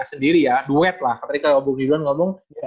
sendiri ya duet lah tadi kalau bung yudho ngomong